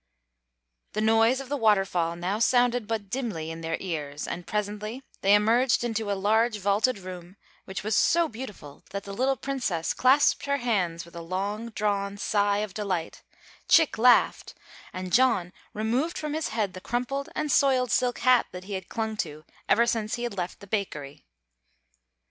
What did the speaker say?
The noise of the waterfall now sounded but dimly in their ears, and presently they emerged into a large vaulted room, which was so beautiful that the little Princess clasped her hands with a long drawn sigh of delight, Chick laughed, and John removed from his head the crumpled and soiled silk hat that he had clung to ever since he had left the bakery.